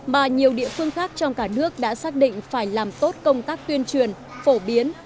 mà nhiều địa phương khác trong cả nước đã xác định phải làm tốt công tác tuyên truyền phổ biến